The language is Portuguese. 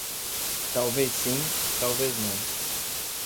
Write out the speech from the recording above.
Talvez sim, talvez não.